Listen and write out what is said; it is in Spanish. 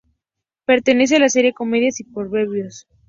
Pertenece a la serie "Comedias y proverbios".